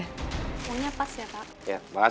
oh nya pas ya pak